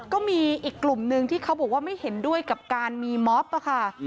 ก็มีอีกกลุ่มหนึ่งที่เขาบอกว่าไม่เห็นด้วยกับการมีมอบค่ะ